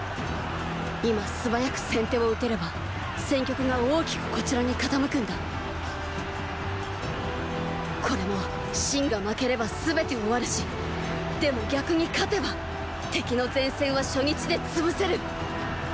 今素早く先手を打てれば戦局が大きくこちらに傾くんだこれも信が負ければ全て終わるしでも逆に勝てば敵の前線は初日でつぶせる！